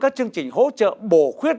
các chương trình hỗ trợ bổ khuyết